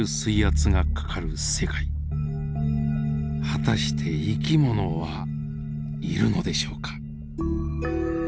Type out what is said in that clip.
果たして生き物はいるのでしょうか？